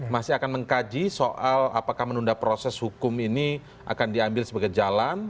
masih akan mengkaji soal apakah menunda proses hukum ini akan diambil sebagai jalan